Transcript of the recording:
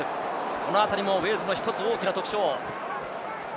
このあたりもウェールズの大きな特徴。